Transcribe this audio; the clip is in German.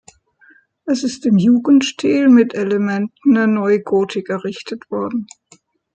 Es ist im Jugendstil mit Elementen der Neugotik errichtet worden.